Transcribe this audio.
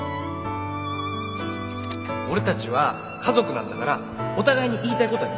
俺たちは家族なんだからお互いに言いたいことは言う